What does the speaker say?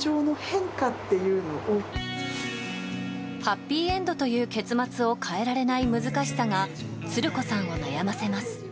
ハッピーエンドという結末を変えられない難しさがつる子さんを悩ませます。